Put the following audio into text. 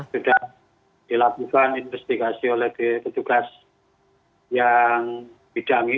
sudah dilakukan investigasi oleh petugas yang bidangi